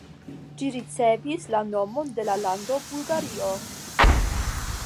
Ĝi ricevis la nomon de la lando Bulgario.